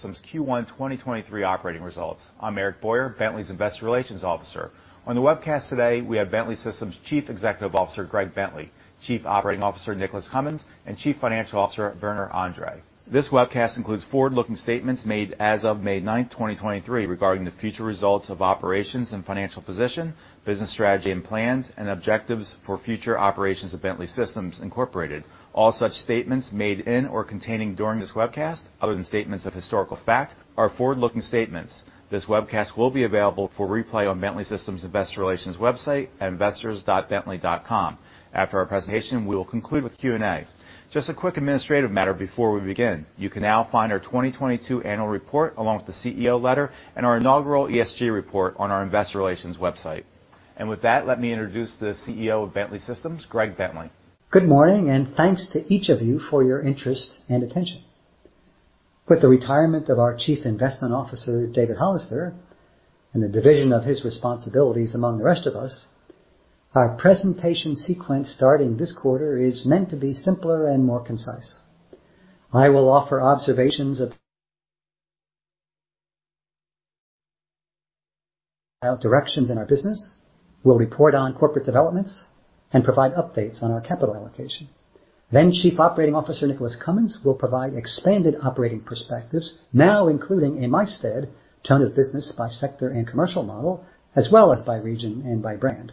Systems' Q1 2023 operating results. I'm Eric Boyer, Bentley's Investor Relations Officer. On the webcast today, we have Bentley Systems Chief Executive Officer, Greg Bentley, Chief Operating Officer, Nicholas Cumins, and Chief Financial Officer, Werner Andre. This webcast includes forward-looking statements made as of May 9th, 2023, regarding the future results of operations and financial position, business strategy and plans and objectives for future operations of Bentley Systems, Incorporated. All such statements made in or containing during this webcast, other than statements of historical fact, forward-looking statements. This webcast will be available for replay on Bentley Systems Investor Relations website at investors.bentley.com. After our presentation, we will conclude with Q&A. A quick administrative matter before we begin. You can now find our 2022 annual report, along with the CEO letter and our inaugural ESG report on our investor relations website. With that, let me introduce the CEO of Bentley Systems, Greg Bentley. Good morning, thanks to each of you for your interest and attention. With the retirement of our Chief Investment Officer, David Hollister, and the division of his responsibilities among the rest of us, our presentation sequence starting this quarter is meant to be simpler and more concise. I will offer observations of directions in our business. We'll report on corporate developments and provide updates on our capital allocation. Chief Operating Officer Nicholas Cumins will provide expanded operating perspectives now including a mixed tone of business by sector and commercial model, as well as by region and by brand.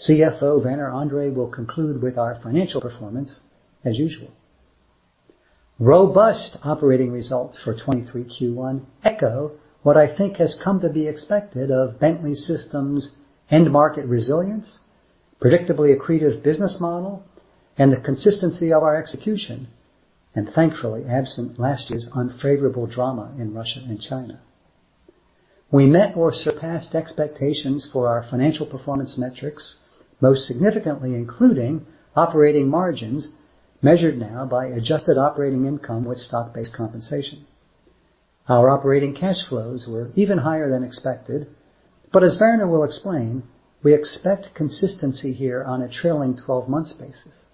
CFO Werner Andre will conclude with our financial performance as usual. Robust operating results for 2023 Q1 echo what I think has come to be expected of Bentley Systems end market resilience, predictably accretive business model, and the consistency of our execution. Thankfully absent last year's unfavorable drama in Russia and China. We met or surpassed expectations for our financial performance metrics, most significantly, including operating margins measured now by Adjusted operating income with stock-based compensation. Our operating cash flows were even higher than expected. As Werner will explain, we expect consistency here on a trailing-12-months basis.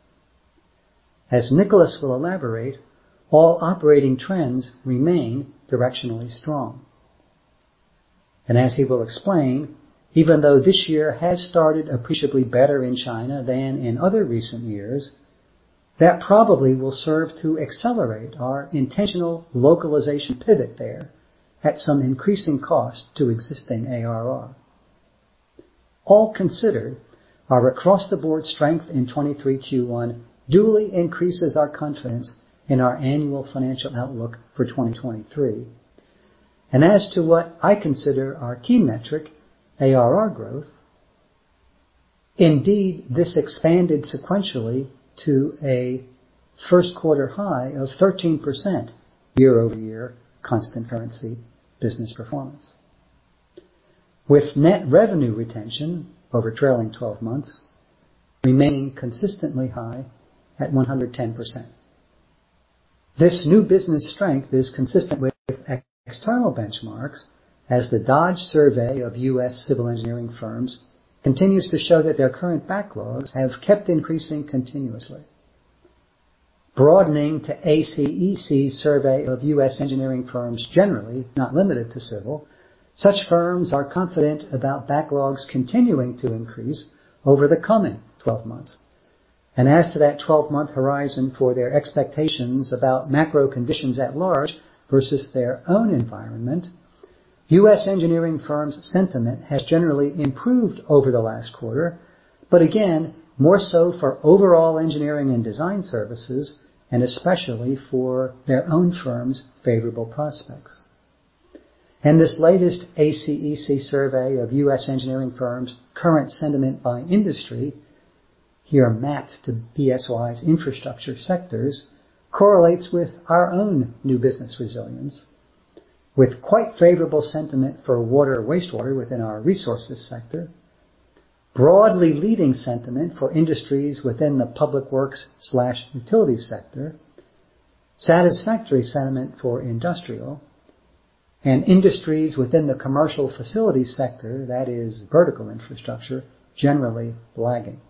As Nicholas will elaborate, all operating trends remain directionally strong. As he will explain, even though this year has started appreciably better in China than in other recent years, that probably will serve to accelerate our intentional localization pivot there at some increasing cost to existing ARR. All considered, our across-the-board strength in 2023 Q1 duly increases our confidence in our annual financial outlook for 2023. As to what I consider our key metric, ARR growth. Indeed, this expanded sequentially to a first quarter high of 13% year-over-year constant currency business performance, with net revenue retention over trailing 12 months remaining consistently high at 110%. This new business strength is consistent with external benchmarks as the Dodge Survey of U.S. civil engineering firms continues to show that their current backlogs have kept increasing continuously. Broadening to ACEC survey of U.S. engineering firms, generally not limited to civil, such firms are confident about backlogs continuing to increase over the coming 12 months. As to that 12-month horizon for their expectations about macro conditions at large versus their own environment, U.S. engineering firms' sentiment has generally improved over the last quarter, but again, more so for overall engineering and design services, and especially for their own firms' favorable prospects. This latest ACEC survey of U.S. engineering firms' current sentiment by industry here mapped to BSY's infrastructure sectors, correlates with our own new business resilience, with quite favorable sentiment for water or wastewater within our resources sector, broadly leading sentiment for industries within the public works/utilities sector, satisfactory sentiment for industrial and industries within the commercial facilities sector, that is, vertical infrastructure, generally lagging.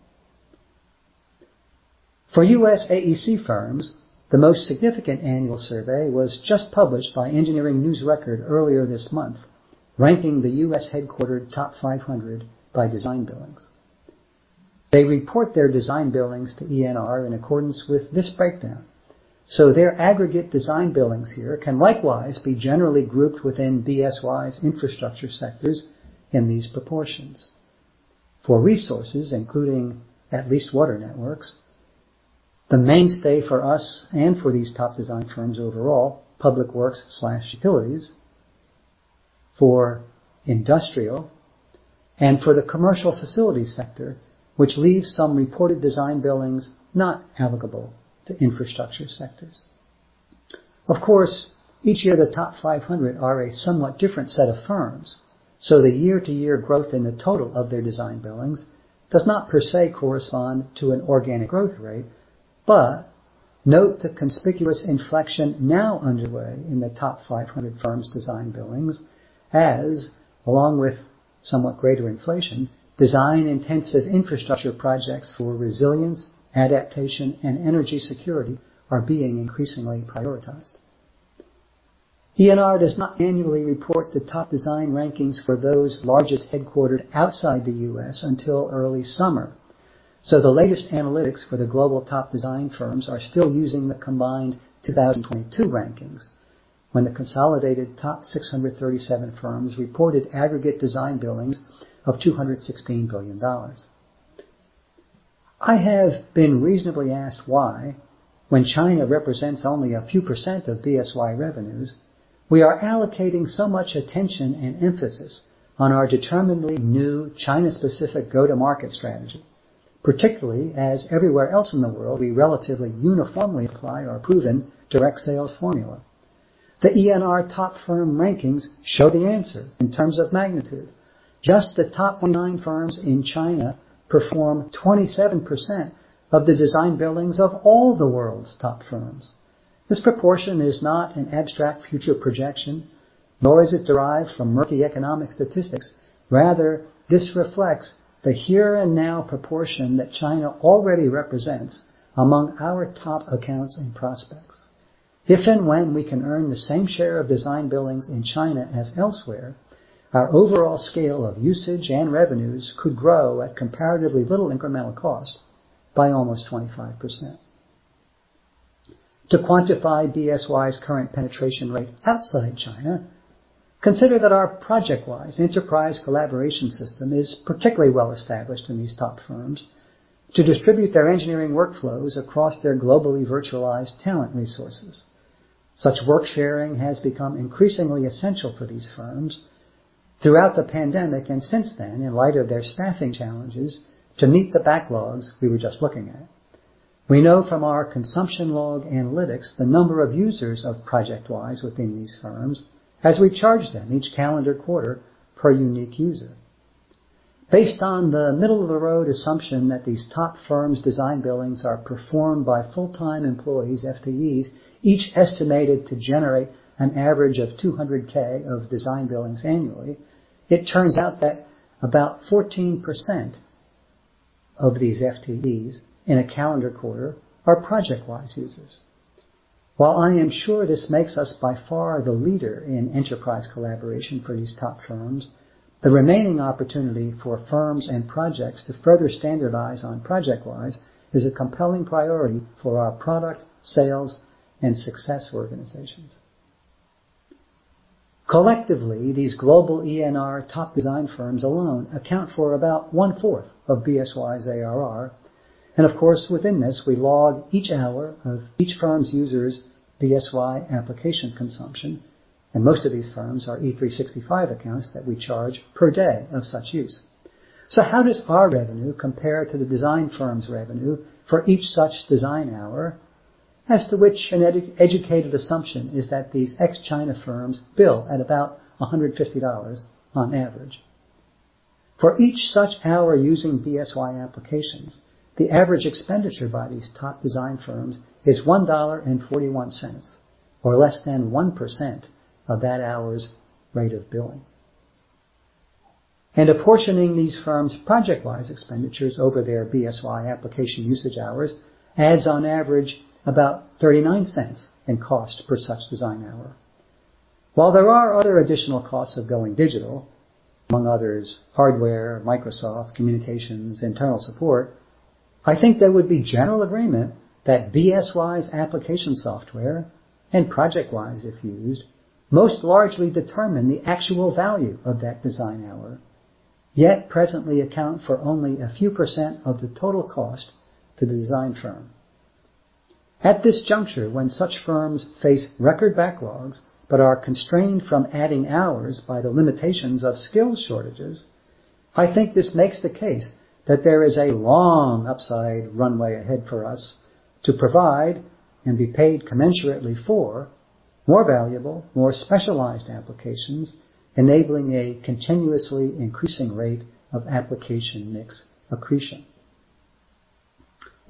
For U.S. AEC firms, the most significant annual survey was just published by Engineering News-Record earlier this month, ranking the U.S. headquartered top 500 by design billings. They report their design billings to E&R in accordance with this breakdown, their aggregate design billings here can likewise be generally grouped within BSY's infrastructure sectors in these proportions. For resources, including at least water networks, the mainstay for us and for these top design firms overall, public works/utilities for industrial and for the commercial facility sector, which leaves some reported design billings not applicable to infrastructure sectors. Of course, each year the top 500 are a somewhat different set of firms, the year-to-year growth in the total of their design billings does not per se correspond to an organic growth rate. Note the conspicuous inflection now underway in the top 500 firms' design billings as along with somewhat greater inflation, design-intensive infrastructure projects for resilience, adaptation, and energy security are being increasingly prioritized. E&R does not annually report the top design rankings for those largest headquartered outside the U.S. until early summer. The latest analytics for the global top design firms are still using the combined 2022 rankings when the consolidated top 637 firms reported aggregate design billings of $216 billion. I have been reasonably asked why, when China represents only a few % of BSY revenues, we are allocating so much attention and emphasis on our determinedly new China-specific go-to-market strategy, particularly as everywhere else in the world, we relatively uniformly apply our proven direct sales formula. The E&R top firm rankings show the answer in terms of magnitude. Just the top nine firms in China perform 27% of the design billings of all the world's top firms. This proportion is not an abstract future projection, nor is it derived from murky economic statistics. Rather, this reflects the here-and-now proportion that China already represents among our top accounts and prospects. If and when we can earn the same share of design billings in China as elsewhere, our overall scale of usage and revenues could grow at comparatively little incremental cost by almost 25%. To quantify BSY's current penetration rate outside China, consider that our ProjectWise enterprise collaboration system is particularly well established in these top firms to distribute their engineering workflows across their globally virtualized talent resources. Such work-sharing has become increasingly essential for these firms throughout the pandemic and since then, in light of their staffing challenges to meet the backlogs we were just looking at. We know from our consumption log analytics the number of users of ProjectWise within these firms as we charge them each calendar quarter per unique user. Based on the middle-of-the-road assumption that these top firms' design billings are performed by full-time employees, FTEs, each estimated to generate an average of $200k of design billings annually, it turns out that about 14% of these FTEs in a calendar quarter are ProjectWise users. While I am sure this makes us by far the leader in enterprise collaboration for these top firms, the remaining opportunity for firms and projects to further standardize on ProjectWise is a compelling priority for our product, sales, and success organizations. Collectively, these global E&R top design firms alone account for about one-fourth of BSY's ARR. Of course, within this, we log each hour of each firm's user's BSY application consumption, and most of these firms are E365 accounts that we charge per day of such use. How does our revenue compare to the design firm's revenue for each such design hour as to which an educated assumption is that these ex-China firms bill at about $150 on average? For each such hour using BSY applications, the average expenditure by these top design firms is $1.41 or less than 1% of that hour's rate of billing. Apportioning these firms' ProjectWise expenditures over their BSY application usage hours adds on average about $0.39 in cost per such design hour. While there are other additional costs of going digital, among others, hardware, Microsoft, communications, internal support, I think there would be general agreement that BSY's application software and ProjectWise, if used, most largely determine the actual value of that design hour, yet presently account for only a few percent of the total cost to the design firm. At this juncture, when such firms face record backlogs but are constrained from adding hours by the limitations of skill shortages, I think this makes the case that there is a long upside runway ahead for us to provide and be paid commensurately for more valuable, more specialized applications, enabling a continuously increasing rate of application mix accretion.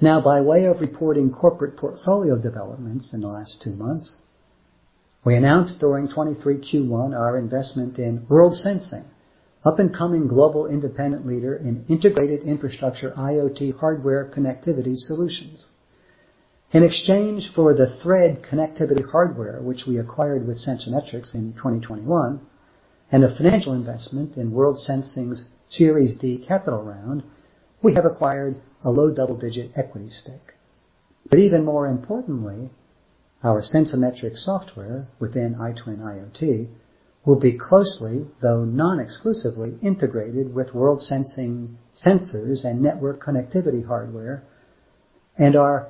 Now, by way of reporting corporate portfolio developments in the last two months, we announced during 2023 Q1 our investment in Worldsensing, up-and-coming global independent leader in integrated infrastructure IoT hardware connectivity solutions. In exchange for the Thread connectivity hardware, which we acquired with Sensemetrics in 2021, and a financial investment in Worldsensing's Series D capital round, we have acquired a low double-digit equity stake. Even more importantly, our Sensemetrics software within iTwin IoT will be closely, though non-exclusively, integrated with Worldsensing sensors and network connectivity hardware, and our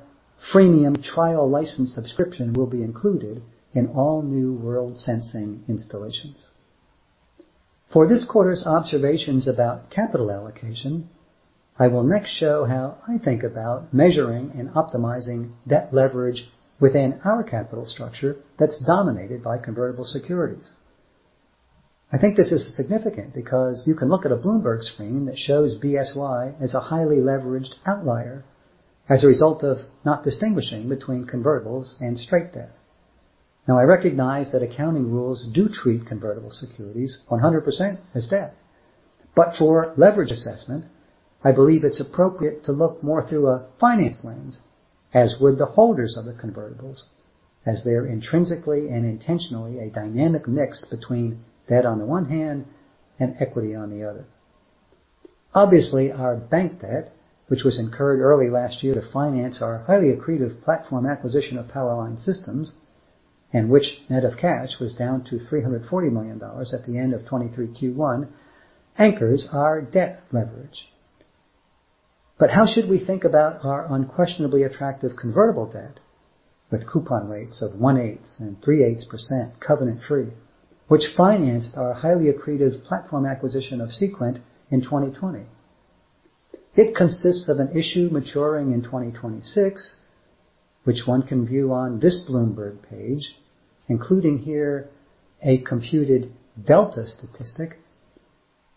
freemium trial license subscription will be included in all new Worldsensing installations. For this quarter's observations about capital allocation, I will next show how I think about measuring and optimizing debt leverage within our capital structure that's dominated by convertible securities. I think this is significant because you can look at a Bloomberg screen that shows BSY as a highly leveraged outlier as a result of not distinguishing between convertibles and straight debt. I recognize that accounting rules do treat convertible securities 100% as debt. For leverage assessment, I believe it's appropriate to look more through a finance lens, as would the holders of the convertibles, as they're intrinsically and intentionally a dynamic mix between debt on the one hand and equity on the other. Obviously, our bank debt, which was incurred early last year to finance our highly accretive platform acquisition of Power Line Systems, and which net of cash was down to $340 million at the end of 2023 Q1, anchors our debt leverage. How should we think about our unquestionably attractive convertible debt with coupon rates of one-eighth and three-eighths % covenant free, which financed our highly accretive platform acquisition of Seequent in 2020? It consists of an issue maturing in 2026, which one can view on this Bloomberg page, including here a computed delta statistic.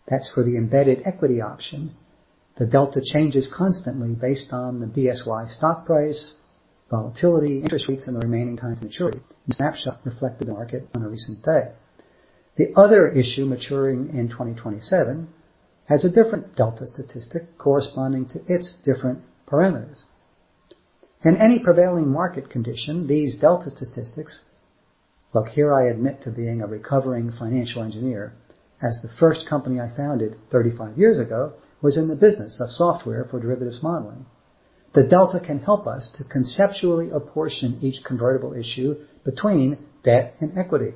That's for the embedded equity option. The delta changes constantly based on the BSY stock price, volatility, interest rates, and the remaining times maturity. This snapshot reflect the market on a recent day. The other issue maturing in 2027 has a different delta statistic corresponding to its different parameters. In any prevailing market condition, these delta statistics. Look, here, I admit to being a recovering financial engineer as the first company I founded 35 years ago was in the business of software for derivatives modeling. The delta can help us to conceptually apportion each convertible issue between debt and equity.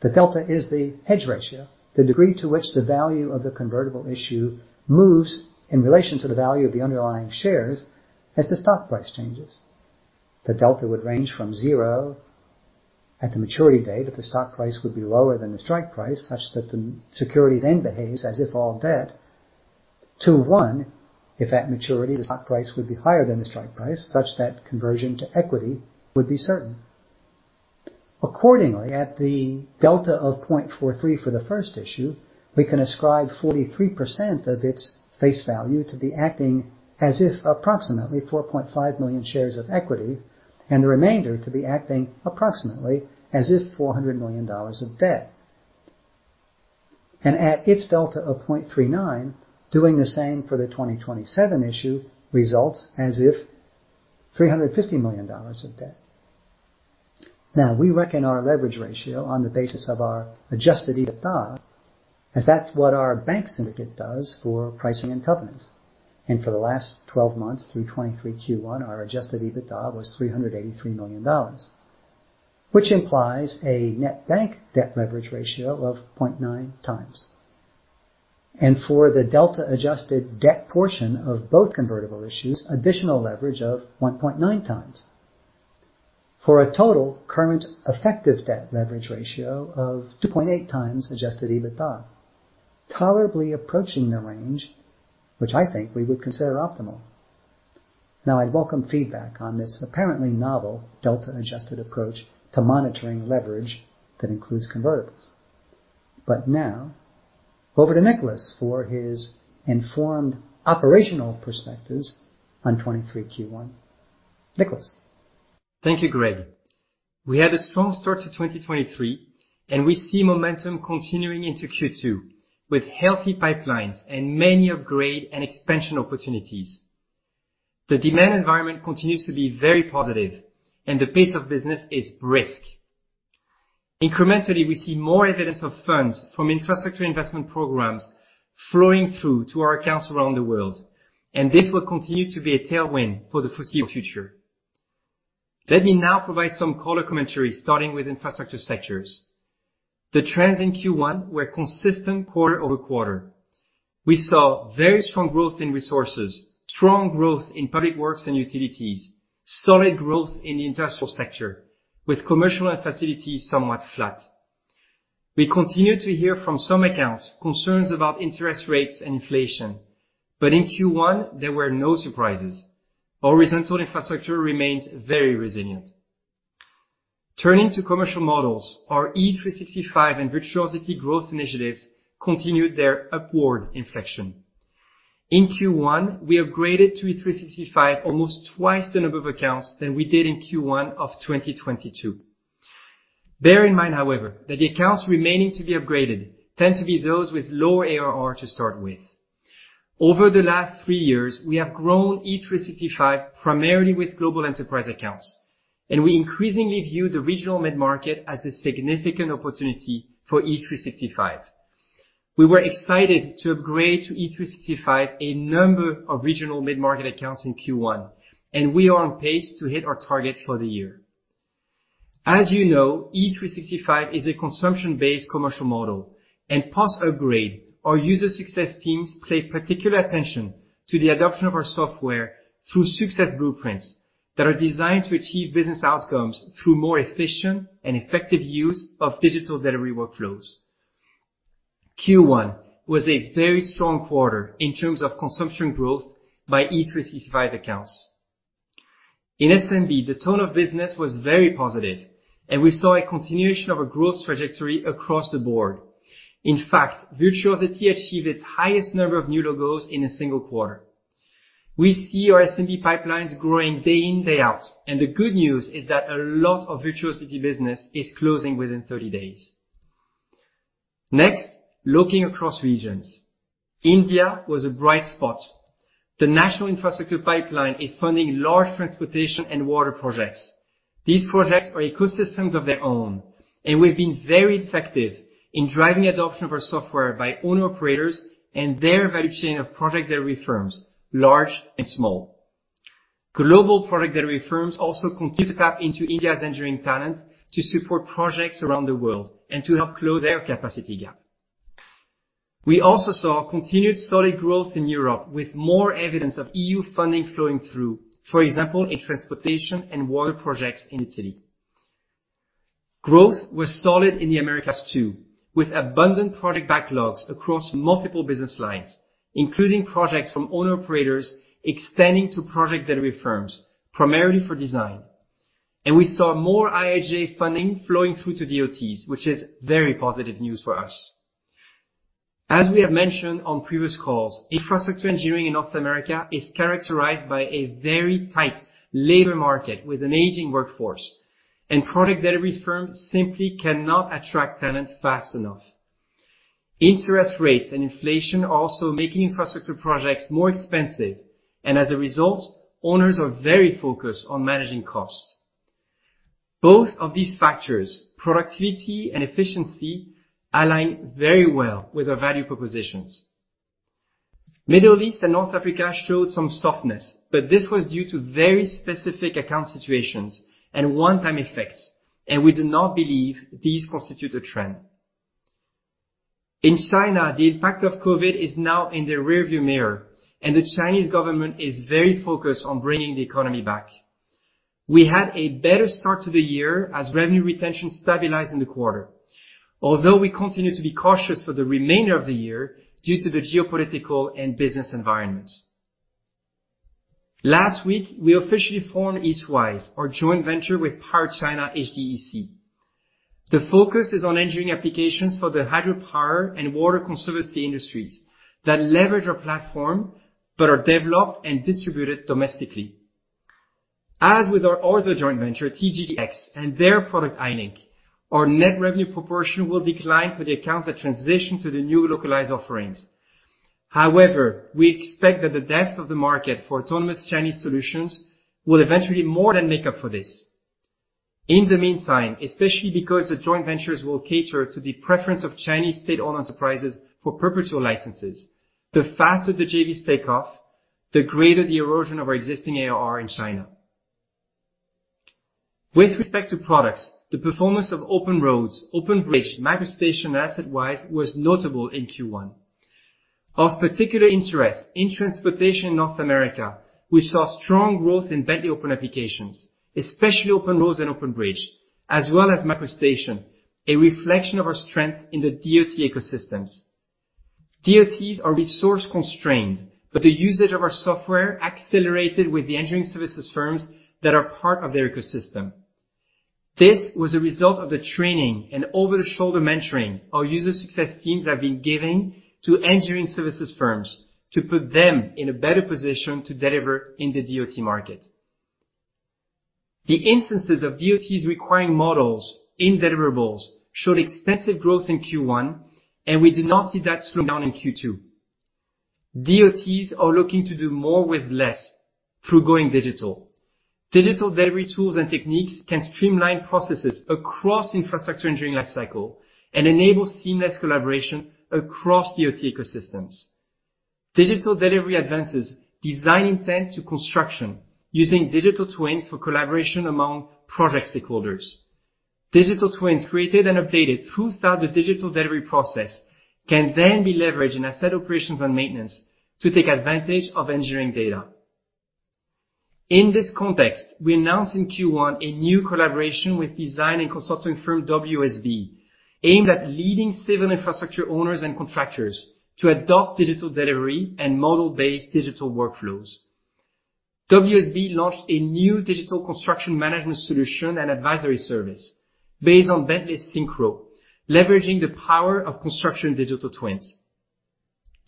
The delta is the hedge ratio, the degree to which the value of the convertible issue moves in relation to the value of the underlying shares as the stock price changes. The delta would range from zero at the maturity date if the stock price would be lower than the strike price, such that the security then behaves as if all debt to 1 if at maturity the stock price would be higher than the strike price, such that conversion to equity would be certain. Accordingly, at the delta of 0.43 for the first issue, we can ascribe 43% of its face value to be acting as if approximately 4.5 million shares of equity, and the remainder to be acting approximately as if $400 million of debt. At its delta of 0.39, doing the same for the 2027 issue results as if $350 million of debt. We reckon our leverage ratio on the basis of our Adjusted EBITDA, as that's what our bank syndicate does for pricing and covenants. For the last 12 months through 2023 Q1, our Adjusted EBITDA was $383 million, which implies a net bank debt leverage ratio of 0.9x. For the delta-adjusted debt portion of both convertible issues, additional leverage of 1.9x. For a total current effective debt leverage ratio of 2.8x Adjusted EBITDA, tolerably approaching the range which I think we would consider optimal. I'd welcome feedback on this apparently novel delta-adjusted approach to monitoring leverage that includes convertibles. Over to Nicholas for his informed operational perspectives on 2023 Q1. Nicholas. Thank you, Greg. We had a strong start to 2023. We see momentum continuing into Q2 with healthy pipelines and many upgrade and expansion opportunities. The demand environment continues to be very positive and the pace of business is brisk. Incrementally, we see more evidence of funds from infrastructure investment programs flowing through to our accounts around the world. This will continue to be a tailwind for the foreseeable future. Let me now provide some color commentary, starting with infrastructure sectors. The trends in Q1 were consistent quarter-over-quarter. We saw very strong growth in resources, strong growth in public works and utilities, solid growth in the industrial sector, with commercial and facilities somewhat flat. We continue to hear from some accounts concerns about interest rates and inflation. In Q1 there were no surprises. Horizontal infrastructure remains very resilient. Turning to commercial models, our E365 and Virtuosity growth initiatives continued their upward inflection. In Q1, we upgraded to E365 almost twice the number of accounts than we did in Q1 of 2022. Bear in mind, however, that the accounts remaining to be upgraded tend to be those with lower ARR to start with. Over the last three years, we have grown E365 primarily with global enterprise accounts, and we increasingly view the regional mid-market as a significant opportunity for E365. We were excited to upgrade to E365 a number of regional mid-market accounts in Q1, and we are on pace to hit our target for the year. As you know, E365 is a consumption-based commercial model, and post-upgrade, our user success teams pay particular attention to the adoption of our software through success blueprints that are designed to achieve business outcomes through more efficient and effective use of digital delivery workflows. Q1 was a very strong quarter in terms of consumption growth by E365 accounts. In SMB, the tone of business was very positive, and we saw a continuation of a growth trajectory across the board. In fact, Virtuosity achieved its highest number of new logos in a single quarter. We see our SMB pipelines growing day in, day out, and the good news is that a lot of Virtuosity business is closing within 30 days. Next, looking across regions. India was a bright spot. The national infrastructure pipeline is funding large transportation and water projects. These projects are ecosystems of their own. We've been very effective in driving adoption of our software by owner-operators and their value chain of project delivery firms, large and small. Global project delivery firms also continue to tap into India's engineering talent to support projects around the world and to help close their capacity gap. We also saw continued solid growth in Europe with more evidence of EU funding flowing through, for example, in transportation and water projects in Italy. Growth was solid in the Americas too, with abundant project backlogs across multiple business lines, including projects from owner-operators extending to project delivery firms, primarily for design. We saw more IIJA funding flowing through to DOTs, which is very positive news for us. As we have mentioned on previous calls, infrastructure engineering in North America is characterized by a very tight labor market with an aging workforce. Project delivery firms simply cannot attract talent fast enough. Interest rates and inflation are also making infrastructure projects more expensive, and as a result, owners are very focused on managing costs. Both of these factors, productivity and efficiency, align very well with our value propositions. Middle East and North Africa showed some softness, but this was due to very specific account situations and one-time effects, and we do not believe these constitute a trend. In China, the impact of COVID is now in the rearview mirror, and the Chinese government is very focused on bringing the economy back. We had a better start to the year as revenue retention stabilized in the quarter. Although we continue to be cautious for the remainder of the year due to the geopolitical and business environment. Last week, we officially formed EastWise, our joint venture with POWERCHINA HDEC. The focus is on engineering applications for the hydropower and water conservancy industries that leverage our platform but are developed and distributed domestically. As with our other joint venture, TGGX, and their product, iLink, our net revenue proportion will decline for the accounts that transition to the new localized offerings. We expect that the depth of the market for autonomous Chinese solutions will eventually more than make up for this. In the meantime, especially because the joint ventures will cater to the preference of Chinese state-owned enterprises for perpetual licenses, the faster the JVs take off, the greater the erosion of our existing ARR in China. With respect to products, the performance of OpenRoads, OpenBridge, MicroStation, and AssetWise was notable in Q1. Of particular interest, in transportation in North America, we saw strong growth in Bentley Open applications, especially OpenRoads and OpenBridge, as well as MicroStation, a reflection of our strength in the DOT ecosystems. DOTs are resource-constrained, but the usage of our software accelerated with the engineering services firms that are part of their ecosystem. This was a result of the training and over-the-shoulder mentoring our user success teams have been giving to engineering services firms to put them in a better position to deliver in the DOT market. The instances of DOTs requiring models in deliverables showed extensive growth in Q1, and we do not see that slowing down in Q2. DOTs are looking to do more with less through going digital. Digital delivery tools and techniques can streamline processes across infrastructure engineering life cycle and enable seamless collaboration across DOT ecosystems. Digital delivery advances design intent to construction using digital twins for collaboration among project stakeholders. Digital twins created and updated throughout the digital delivery process can then be leveraged in asset operations and maintenance to take advantage of engineering data. In this context, we announced in Q1 a new collaboration with design and consulting firm WSB, aimed at leading civil infrastructure owners and contractors to adopt digital delivery and model-based digital workflows. WSB launched a new digital construction management solution and advisory service based on Bentley SYNCHRO, leveraging the power of construction digital twins.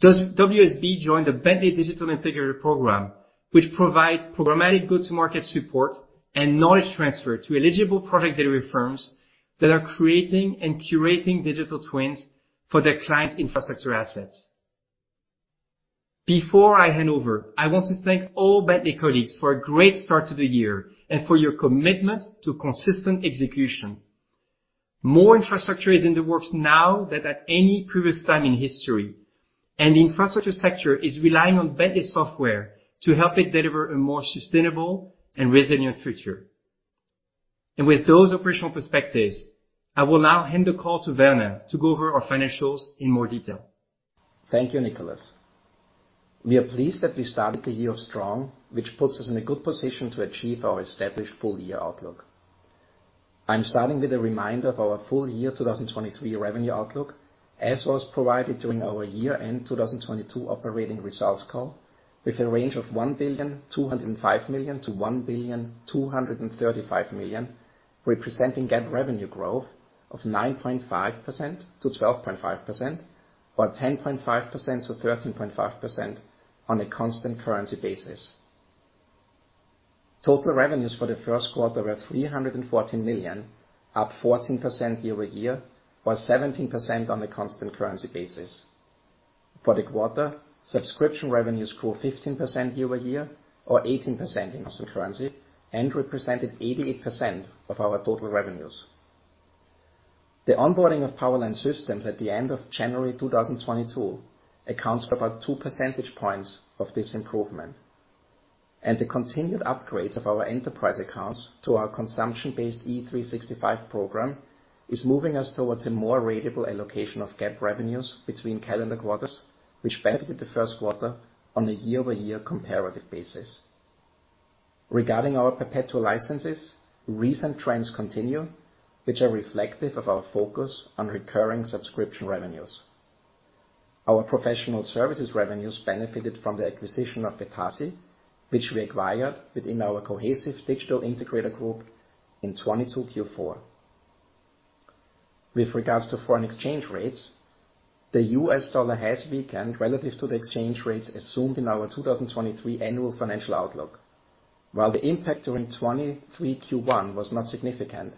WSB joined the Bentley Digital Integrator Program, which provides programmatic go-to-market support and knowledge transfer to eligible project delivery firms that are creating and curating digital twins for their clients' infrastructure assets. Before I hand over, I want to thank all Bentley colleagues for a great start to the year and for your commitment to consistent execution. More infrastructure is in the works now than at any previous time in history, the infrastructure sector is relying on Bentley software to help it deliver a more sustainable and resilient future. With those operational perspectives, I will now hand the call to Werner to go over our financials in more detail. Thank you, Nicholas. We are pleased that we started the year strong, which puts us in a good position to achieve our established full-year outlook. I am starting with a reminder of our full-year 2023 revenue outlook, as was provided during our year-end 2022 operating results call, with a range of $1.205 billion-$1.235 billion, representing GAAP revenue growth of 9.5%-12.5%, or 10.5%-13.5% on a constant currency basis. Total revenues for the first quarter were $314 million, up 14% year-over-year, while 17% on a constant currency basis. For the quarter, subscription revenues grew 15% year-over-year, or 18% in constant currency, and represented 88% of our total revenues. The onboarding of Power Line Systems at the end of January 2022 accounts for about 2 percentage points of this improvement. The continued upgrades of our enterprise accounts to our consumption-based E365 program is moving us towards a more ratable allocation of GAAP revenues between calendar quarters, which benefited the first quarter on a year-over-year comparative basis. Regarding our perpetual licenses, recent trends continue, which are reflective of our focus on recurring subscription revenues. Our professional services revenues benefited from the acquisition of Vetasi, which we acquired within our Cohesive digital integrator group in 2022 Q4. With regards to foreign exchange rates, the U.S. dollar has weakened relative to the exchange rates assumed in our 2023 annual financial outlook. While the impact during 2023 Q1 was not significant,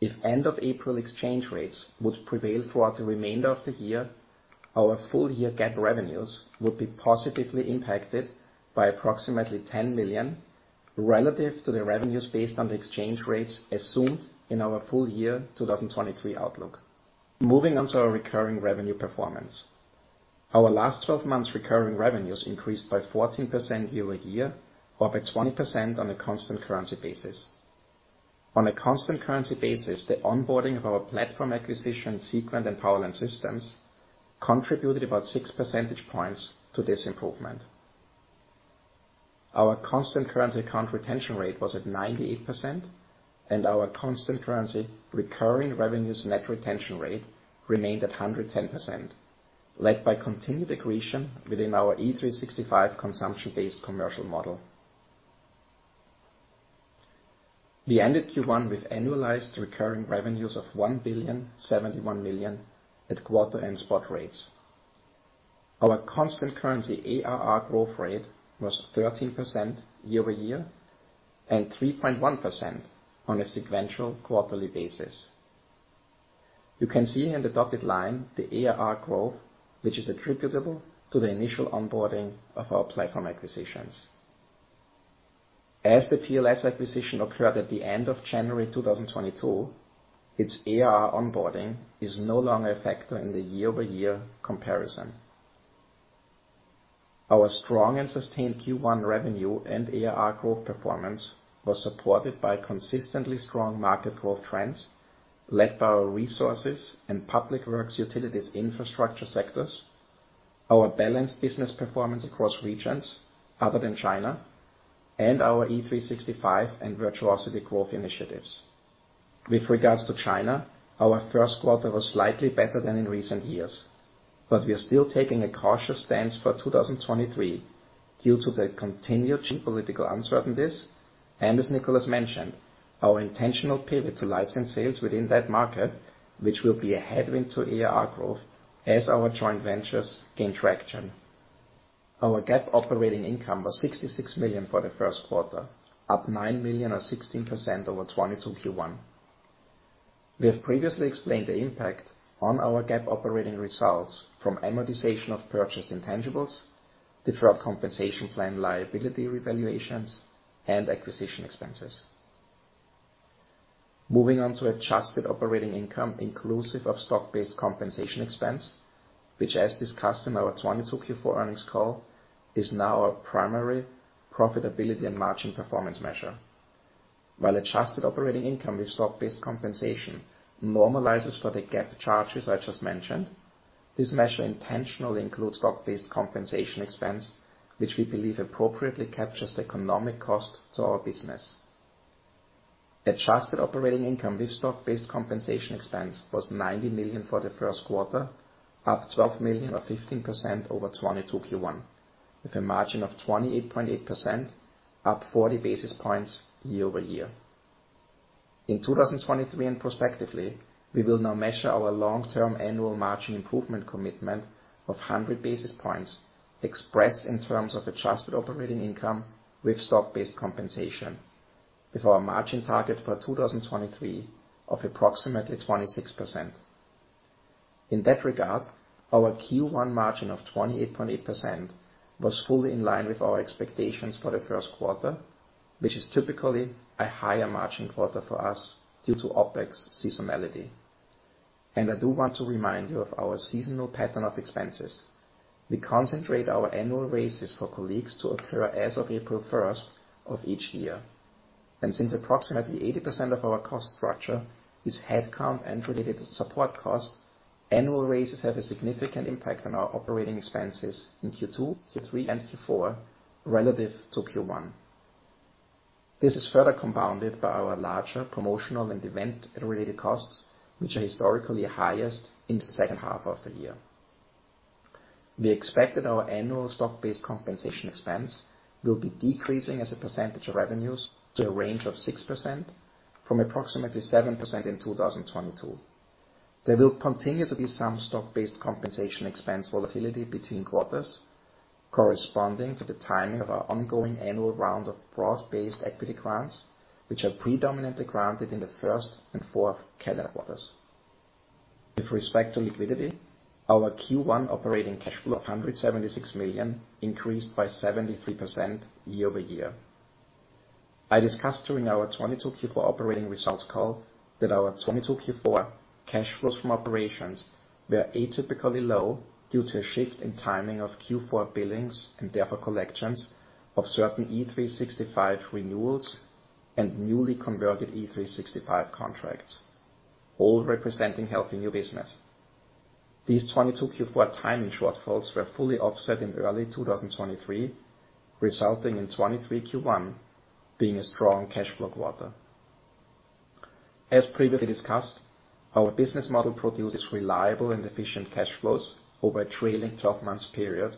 if end of April exchange rates would prevail throughout the remainder of the year, our full-year GAAP revenues would be positively impacted by approximately $10 million relative to the revenues based on the exchange rates assumed in our full-year 2023 outlook. Moving on to our recurring revenue performance. Our last 12 months recurring revenues increased by 14% year-over-year, or by 20% on a constant currency basis. On a constant currency basis, the onboarding of our platform acquisition, Seequent and Power Line Systems, contributed about six percentage points to this improvement. Our constant currency account retention rate was at 98%, and our constant currency recurring revenues net retention rate remained at 110%, led by continued accretion within our E365 consumption-based commercial model. We ended Q1 with annualized recurring revenues of $1.071 billion at quarter end spot rates. Our constant currency ARR growth rate was 13% year-over-year and 3.1% on a sequential quarterly basis. You can see in the dotted line the ARR growth, which is attributable to the initial onboarding of our platform acquisitions. As the PLS acquisition occurred at the end of January 2022, its ARR onboarding is no longer a factor in the year-over-year comparison. Our strong and sustained Q1 revenue and ARR growth performance was supported by consistently strong market growth trends led by our resources and public works utilities infrastructure sectors, our balanced business performance across regions other than China, and our E365 and Virtuosity growth initiatives. With regards to China, our first quarter was slightly better than in recent years, but we are still taking a cautious stance for 2023 due to the continued geopolitical uncertainties, and as Nicholas mentioned, our intentional pivot to license sales within that market, which will be a headwind to ARR growth as our joint ventures gain traction. Our GAAP operating income was $66 million for the first quarter, up $9 million or 16% over 2022 Q1. We have previously explained the impact on our GAAP operating results from amortization of purchased intangibles, deferred compensation plan liability revaluations, and acquisition expenses. Moving on to adjusted operating income inclusive of stock-based compensation expense, which as discussed in our 2022 Q4 earnings call, is now our primary profitability and margin performance measure. While Adjusted Operating Income with Stock-Based Compensation normalizes for the GAAP charges I just mentioned, this measure intentionally includes stock-based compensation expense, which we believe appropriately captures the economic cost to our business. Adjusted Operating Income with Stock-Based Compensation expense was $90 million for the first quarter, up $12 million or 15% over 2022 Q1, with a margin of 28.8%, up 40 basis points year-over-year. In 2023 and prospectively, we will now measure our long-term annual margin improvement commitment of 100 basis points expressed in terms of Adjusted Operating Income with Stock-Based Compensation, with our margin target for 2023 of approximately 26%. In that regard, our Q1 margin of 28.8% was fully in line with our expectations for the first quarter, which is typically a higher margin quarter for us due to OpEx seasonality. I do want to remind you of our seasonal pattern of expenses. We concentrate our annual raises for colleagues to occur as of April first of each year. Since approximately 80% of our cost structure is headcount and related to support costs, annual raises have a significant impact on our operating expenses in Q2, Q3, and Q4 relative to Q1. This is further compounded by our larger promotional and event-related costs, which are historically highest in the second half of the year. We expect that our annual stock-based compensation expense will be decreasing as a percentage of revenues to a range of 6% from approximately 7% in 2022. There will continue to be some stock-based compensation expense volatility between quarters corresponding to the timing of our ongoing annual round of broad-based equity grants, which are predominantly granted in the first and fourth calendar quarters. With respect to liquidity, our Q1 operating cash flow of $176 million increased by 73% year-over-year. I discussed during our 2022 Q4 operating results call that our 2022 Q4 cash flows from operations were atypically low due to a shift in timing of Q4 billings and therefore collections of certain E365 renewals and newly converted E365 contracts, all representing healthy new business. These 2022 Q4 timing shortfalls were fully offset in early 2023, resulting in 2023 Q1 being a strong cash flow quarter. As previously discussed, our business model produces reliable and efficient cash flows over a trailing 12 months period,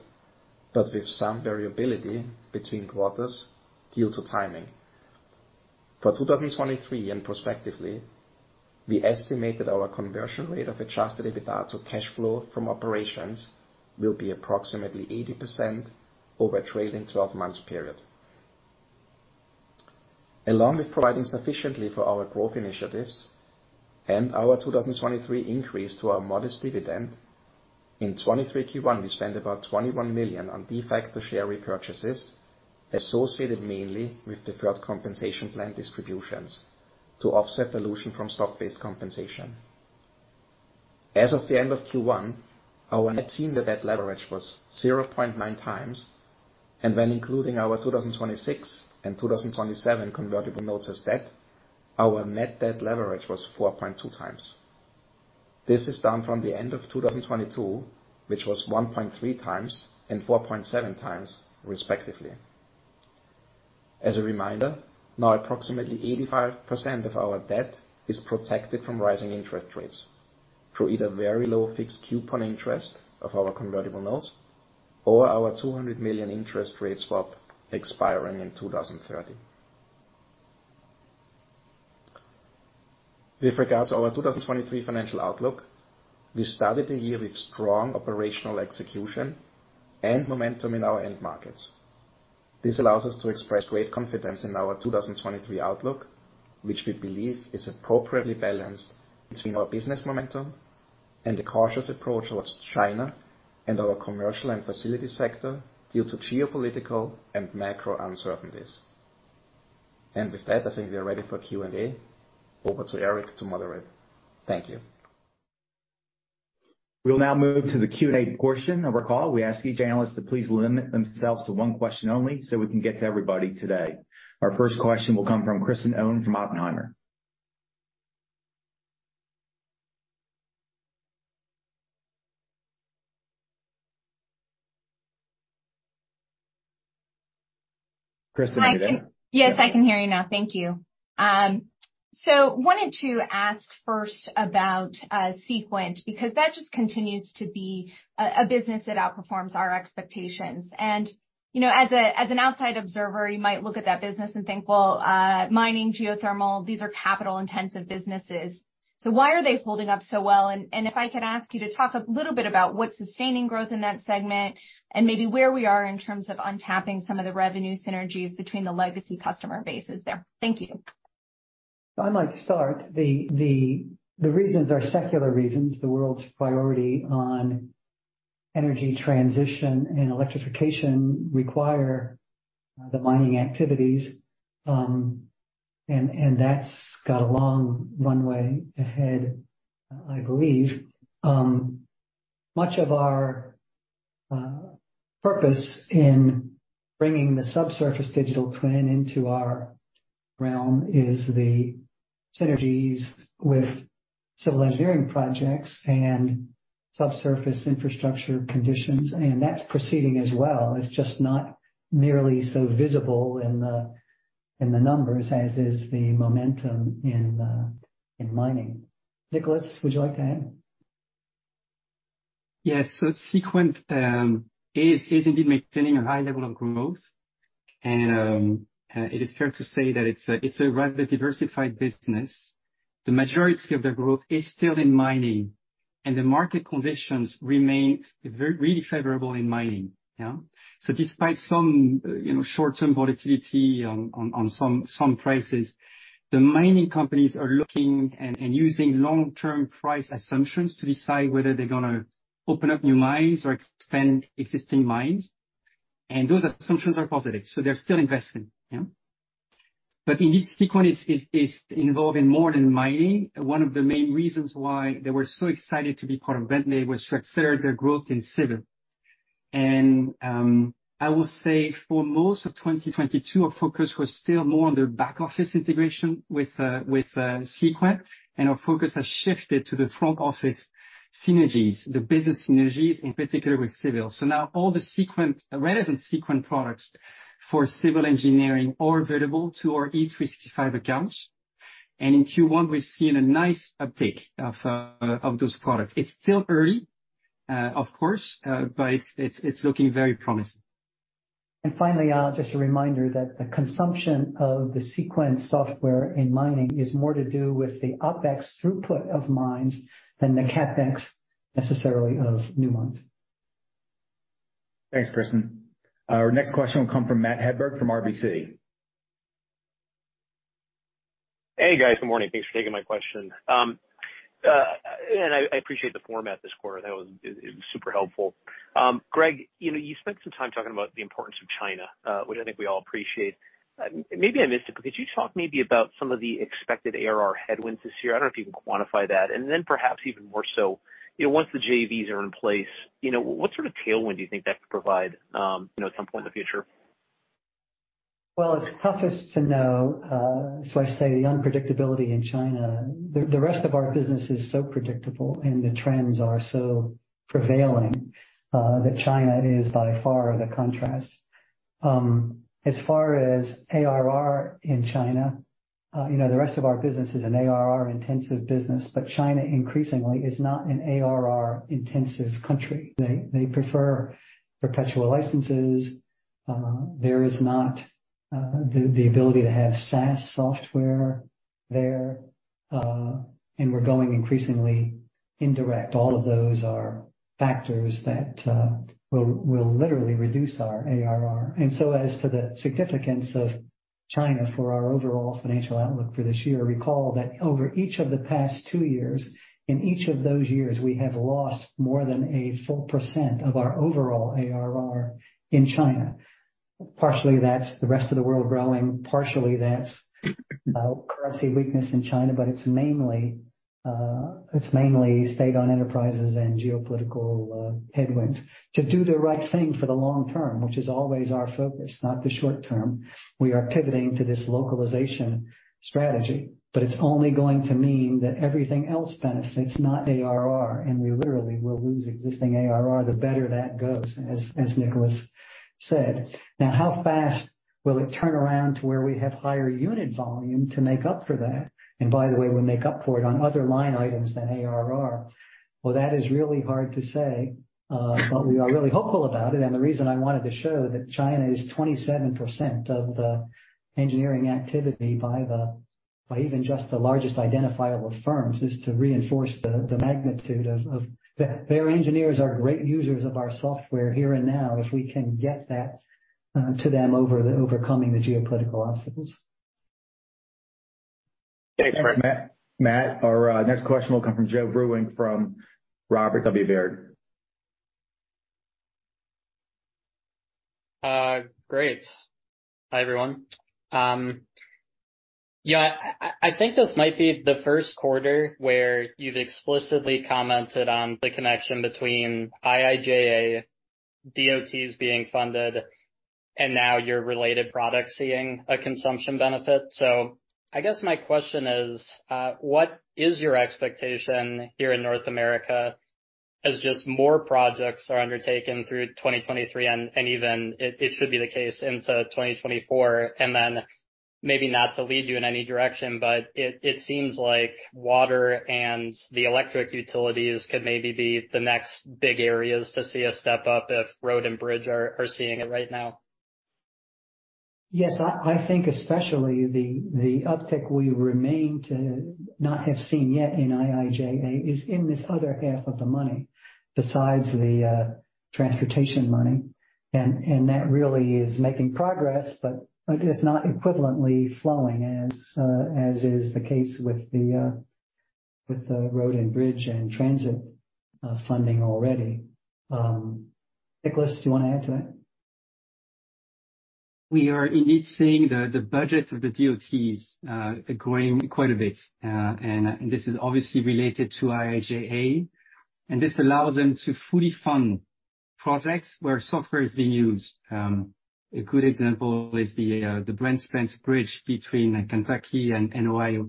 but with some variability between quarters due to timing. For 2023 and prospectively, we estimated our conversion rate of Adjusted EBITDA to cash flow from operations will be approximately 80% over a trailing 12 months period. Along with providing sufficiently for our growth initiatives and our 2023 increase to our modest dividend, in 2023 Q1, we spent about $21 million on de facto share repurchases associated mainly with deferred compensation plan distributions to offset dilution from stock-based compensation. As of the end of Q1, our net team to debt leverage was 0.9x, and when including our 2026 and 2027 convertible notes as debt, our net debt leverage was 4.2x. This is down from the end of 2022, which was 1.3x and 4.7x, respectively. As a reminder, now approximately 85% of our debt is protected from rising interest rates through either very low fixed coupon interest of our convertible notes or our $200 million interest rate swap expiring in 2030. With regards to our 2023 financial outlook, we started the year with strong operational execution and momentum in our end markets. This allows us to express great confidence in our 2023 outlook, which we believe is appropriately balanced between our business momentum and a cautious approach towards China and our commercial and facility sector due to geopolitical and macro uncertainties. With that, I think we are ready for Q&A. Over to Eric to moderate. Thank you. We'll now move to the Q&A portion of our call. We ask each analyst to please limit themselves to one question only so we can get to everybody today. Our 1st question will come from Kristen Owen from Oppenheimer. Kristen, can you hear me? Yes, I can hear you now. Thank you. Wanted to ask first about Seequent, because that just continues to be a business that outperforms our expectations. You know, as an outside observer, you might look at that business and think, well, mining, geothermal, these are capital-intensive businesses. Why are they holding up so well? If I could ask you to talk a little bit about what's sustaining growth in that segment and maybe where we are in terms of untapping some of the revenue synergies between the legacy customer bases there. Thank you. I might start. The reasons are secular reasons. The world's priority on energy transition and electrification require the mining activities. That's got a long runway ahead, I believe. Much of our purpose in bringing the subsurface digital twin into our realm is the synergies with civil engineering projects and subsurface infrastructure conditions, and that's proceeding as well. It's just not nearly so visible in the numbers as is the momentum in mining. Nicholas, would you like to add? Yes. Seequent is indeed maintaining a high level of growth. It is fair to say that it's a rather diversified business. The majority of the growth is still in mining, and the market conditions remain really favorable in mining. Yeah. Despite some, you know, short-term volatility on some prices, the mining companies are looking and using long-term price assumptions to decide whether they're gonna open up new mines or expand existing mines. Those assumptions are positive, so they're still investing. Yeah. Indeed, Seequent is involved in more than mining. One of the main reasons why they were so excited to be part of Bentley was to accelerate their growth in civil. I will say for most of 2022, our focus was still more on their back office integration with Seequent, and our focus has shifted to the front office synergies, the business synergies, in particular with civil. Now all the relevant Seequent products for civil engineering are available to our E365 accounts. In Q1, we've seen a nice uptick of those products. It's still early, of course, but it's, it's looking very promising. Finally, just a reminder that the consumption of the Seequent software in mining is more to do with the OpEx throughput of mines than the CapEx necessarily of new mines. Thanks, Kristin. Our next question will come from Matt Hedberg from RBC. Hey, guys. Good morning. Thanks for taking my question. I appreciate the format this quarter. It was super helpful. Greg, you know, you spent some time talking about the importance of China, which I think we all appreciate. Maybe I missed it, but could you talk maybe about some of the expected ARR headwinds this year? I don't know if you can quantify that. Perhaps even more so, you know, once the JVs are in place, you know, what sort of tailwind do you think that could provide, you know, at some point in the future? Well, it's toughest to know the unpredictability in China. The rest of our business is so predictable, and the trends are so prevailing, that China is by far the contrast. As far as ARR in China, you know, the rest of our business is an ARR-intensive business, but China increasingly is not an ARR-intensive country. They prefer perpetual licenses. There is not the ability to have SaaS software there, and we're going increasingly indirect. All of those are factors that will literally reduce our ARR. As to the significance of China for our overall financial outlook for this year, recall that over each of the past two years, in each of those years, we have lost more than 1% of our overall ARR in China. Partially that's the rest of the world growing, partially that's currency weakness in China. It's mainly state-owned enterprises and geopolitical headwinds. To do the right thing for the long term, which is always our focus, not the short term, we are pivoting to this localization strategy, but it's only going to mean that everything else benefits, not ARR, and we literally will lose existing ARR the better that goes, as Nicholas said. How fast will it turn around to where we have higher unit volume to make up for that? By the way, we make up for it on other line items than ARR. That is really hard to say, but we are really hopeful about it. The reason I wanted to show that China is 27% of the engineering activity by even just the largest identifiable firms, is to reinforce the magnitude of their engineers are great users of our software here and now, if we can get that to them overcoming the geopolitical obstacles. Thanks, Greg. Matt, our, next question will come from Joe Vruwink from Robert W. Baird. Great. Hi, everyone. Yeah, I think this might be the first quarter where you've explicitly commented on the connection between IIJA, DOTs being funded, and now your related products seeing a consumption benefit. I guess my question is, what is your expectation here in North America as just more projects are undertaken through 2023 and even it should be the case into 2024. Maybe not to lead you in any direction, but it seems like water and the electric utilities could maybe be the next big areas to see a step up if road and bridge are seeing it right now. Yes. I think especially the uptick we remain to not have seen yet in IIJA is in this other half of the money besides the transportation money. That really is making progress, but it's not equivalently flowing as is the case with the road and bridge and transit funding already. Nicholas, do you wanna add to that? We are indeed seeing the budget of the DOTs growing quite a bit. This is obviously related to IIJA, and this allows them to fully fund projects where software is being used. A good example is the Brent Spence Bridge between Kentucky and Ohio.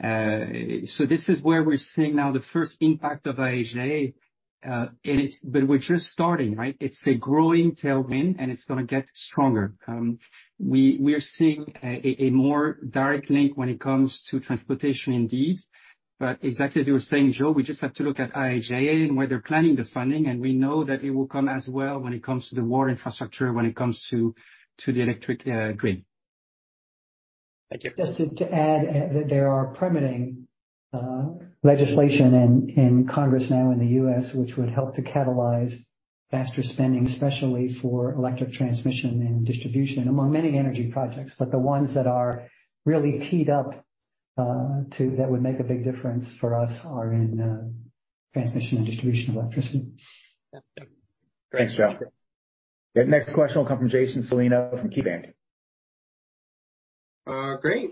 This is where we're seeing now the first impact of IIJA, and we're just starting, right? It's a growing tailwind, and it's gonna get stronger. We are seeing a more direct link when it comes to transportation indeed. Exactly as you were saying, Joe, we just have to look at IIJA and where they're planning the funding, and we know that it will come as well when it comes to the water infrastructure, when it comes to the electric grid. Thank you. Just to add that there are permitting legislation in Congress now in the U.S., which would help to catalyze faster spending, especially for electric transmission and distribution among many energy projects. The ones that are really teed up that would make a big difference for us are in transmission and distribution of electricity. Yeah. Thanks, Joe. The next question will come from Jason Celino from KeyBanc. Great.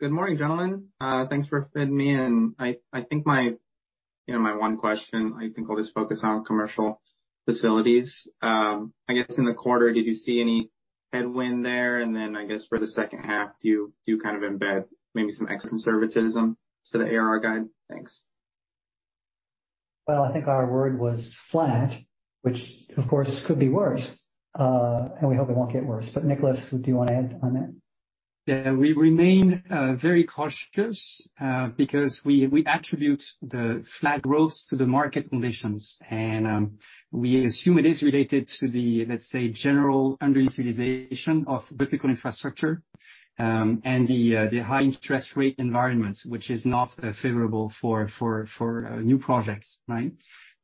Good morning, gentlemen. Thanks for fitting me in. I think my, you know, my one question, I'll just focus on commercial facilities. I guess in the quarter, did you see any headwind there? Then I guess for the second half, do you kind of embed maybe some extra conservatism to the ARR guide? Thanks. Well, I think our word was flat, which of course could be worse. We hope it won't get worse. Nicholas, do you wanna add on that? Yeah. We remain very cautious, because we attribute the flat growth to the market conditions. We assume it is related to the, let's say, general underutilization of vertical infrastructure, and the high interest rate environment, which is not favorable for new projects, right?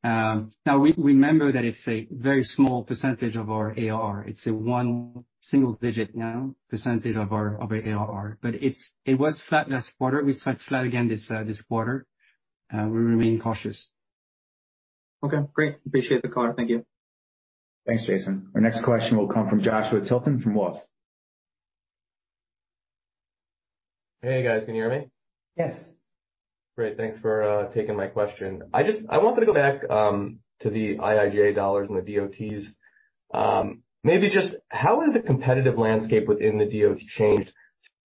Now remember that it's a very small % of our ARR. It's a one single digit now % of our, of our ARR, but it was flat last quarter. We sat flat again this quarter. We remain cautious. Okay, great. Appreciate the call. Thank you. Thanks, Jason. Our next question will come from Joshua Tilton from Wolfe. Hey, guys. Can you hear me? Yes. Great. Thanks for taking my question. I wanted to go back to the IIJA dollars and the DOTs. Maybe just how has the competitive landscape within the DOT changed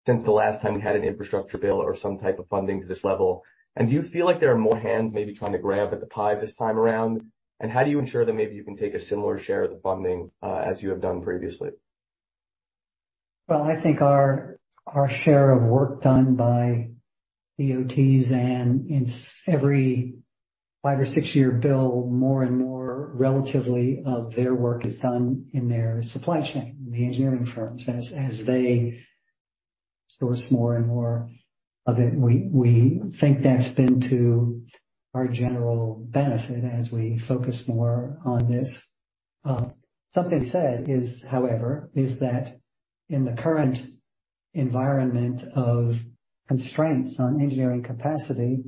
since the last time we had an infrastructure bill or some type of funding to this level? Do you feel like there are more hands maybe trying to grab at the pie this time around? How do you ensure that maybe you can take a similar share of the funding as you have done previously? Well, I think our share of work done by DOTs and in every five or six-year bill, more and more relatively of their work is done in their supply chain, the engineering firms, as they source more and more of it. We, we think that's been to our general benefit as we focus more on this. Something said is, however, is that in the current environment of constraints on engineering capacity,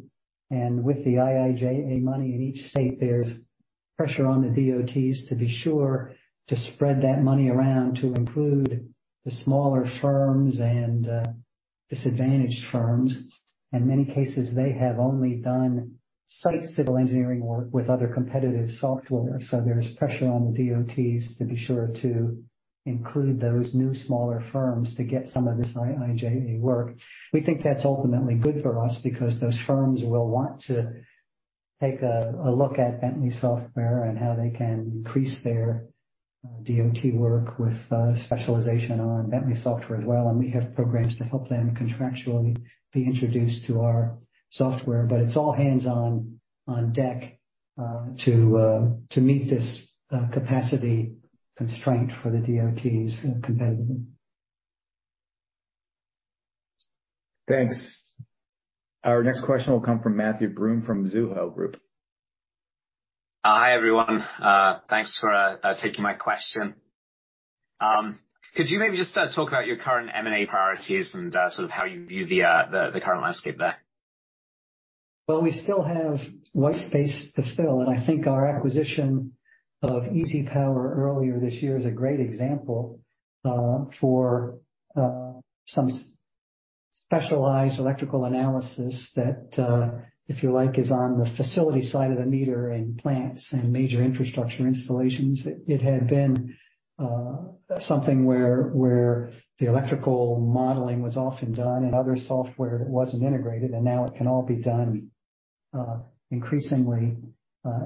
and with the IIJA money in each state, there's pressure on the DOTs to be sure to spread that money around to include the smaller firms and disadvantaged firms. In many cases, they have only done site civil engineering work with other competitive software. There's pressure on the DOTs to be sure to include those new smaller firms to get some of this IIJA work. We think that's ultimately good for us because those firms will want to take a look at Bentley software and how they can increase their DOT work with specialization on Bentley software as well. We have programs to help them contractually be introduced to our software. It's all hands on deck to meet this capacity constraint for the DOTs competitively. Thanks. Our next question will come from Matthew Broome from Mizuho Group. Hi, everyone. thanks for taking my question. could you maybe just talk about your current M&A priorities and, sort of how you view the current landscape there? We still have white space to fill, and I think our acquisition of EasyPower earlier this year is a great example for some specialized electrical analysis that, if you like, is on the facility side of the meter in plants and major infrastructure installations. It had been something where the electrical modeling was often done in other software that wasn't integrated, and now it can all be done increasingly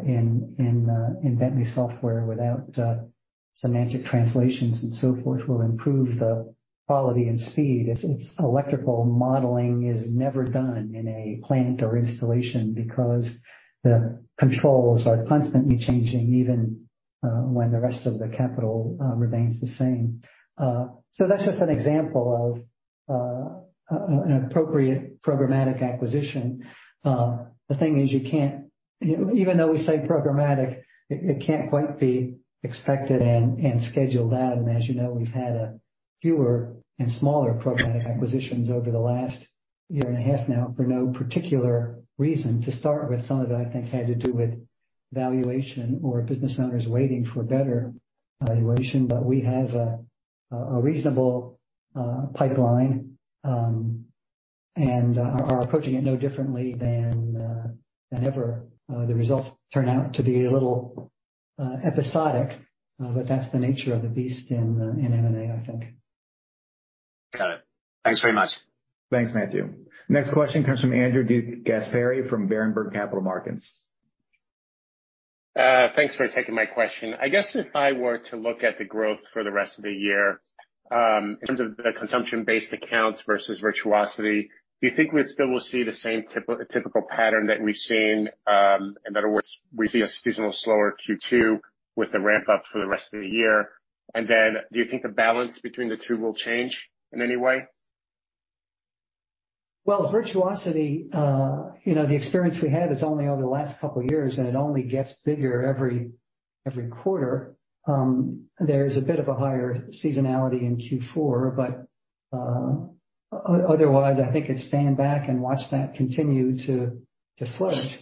in Bentley software without semantic translations and so forth will improve the quality and speed. It's electrical modeling is never done in a plant or installation because the controls are constantly changing, even when the rest of the capital remains the same. That's just an example of an appropriate programmatic acquisition. The thing is, you can't... You know, even though we say programmatic, it can't quite be expected and scheduled out. As you know, we've had a fewer and smaller programmatic acquisitions over the last year and a half now for no particular reason. To start with, some of it I think had to do with valuation or business owners waiting for better valuation. We have a reasonable pipeline, and are approaching it no differently than ever. The results turn out to be a little episodic, but that's the nature of the beast in M&A, I think. Got it. Thanks very much. Thanks, Matthew. Next question comes from Andrew DeGasperi from Berenberg Capital Markets. Thanks for taking my question. I guess if I were to look at the growth for the rest of the year, in terms of the consumption-based accounts versus Virtuosity, do you think we still will see the same typical pattern that we've seen? In other words, we see a seasonal slower Q2 with the ramp up for the rest of the year. Do you think the balance between the two will change in any way? Well, Virtuosity, you know, the experience we have is only over the last couple of years, and it only gets bigger every quarter. There is a bit of a higher seasonality in Q4, but otherwise, I think it's stand back and watch that continue to flush.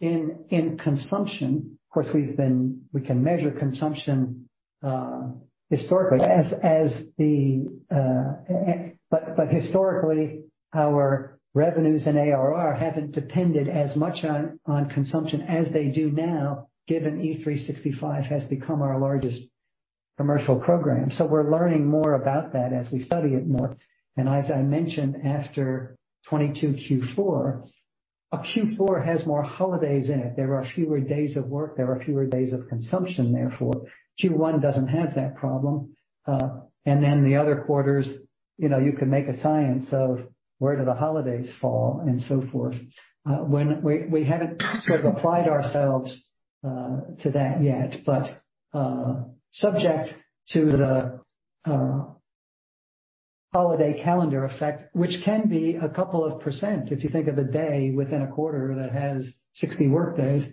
In consumption, of course, we can measure consumption historically as the, historically, our revenues and ARR haven't depended as much on consumption as they do now, given E365 has become our largest-Commercial program. We're learning more about that as we study it more. As I mentioned, after 2022 Q4, a Q4 has more holidays in it. There are fewer days of work. There are fewer days of consumption therefore. Q1 doesn't have that problem. Then the other quarters, you know, you can make a science of where do the holidays fall and so forth. We haven't sort of applied ourselves to that yet, but subject to the holiday calendar effect, which can be 2%, if you think of a day within a quarter that has 60 work days